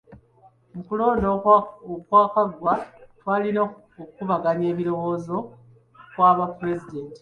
Mu kulonda okwaggwa twalina okukubaganya ebirowoozo kwa ba pulezidenti.